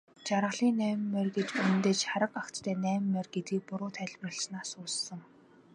Жаргалын найман морь гэж үнэндээ шарга агттай найман морь гэдгийг буруу тайлбарласнаас үүссэн.